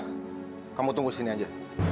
kamu tunggu sini aja